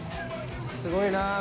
すごいなぁ。